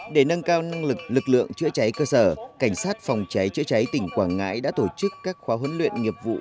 để nâng cao năng lực lực lượng chữa cháy cơ sở cảnh sát phòng cháy chữa cháy tỉnh quảng ngãi đã tổ chức các khóa huấn luyện nghiệp vụ